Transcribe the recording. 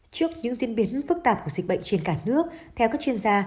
trước những diễn biến phức tạp của dịch bệnh trên cả nước theo các chuyên gia